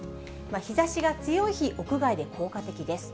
日ざしが強い日、屋外で効果的です。